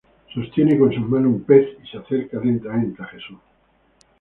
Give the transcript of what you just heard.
Sostiene con su mano un pez y se acerca lentamente a Jesús.